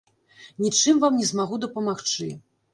Нічым вам не змагу дапамагчы.